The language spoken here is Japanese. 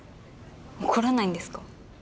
怒らないんですか？